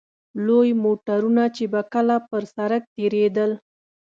لوی موټرونه چې به کله پر سړک تېرېدل.